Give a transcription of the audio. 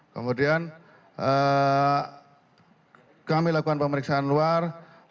kemudian kami lakukan pemeriksaan luar